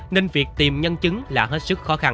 nên việc tìm nhân chứng là hết sức khó khăn